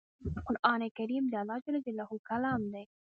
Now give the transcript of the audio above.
قران کریم د الله ج کلام دی